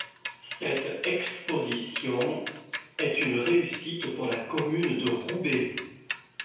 Cette exposition est une réussite pour la commune de Roubaix.